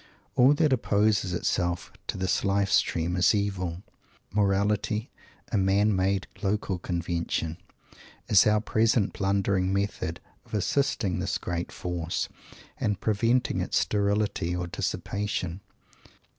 All that opposes itself to this Life stream is evil. Morality, a man made local convention, is our present blundering method of assisting this great Force, and preventing its sterility, or dissipation.